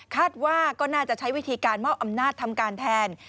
คาดว่าก็น่าจะใช้วิธีการมอบอำนาจทำการแทน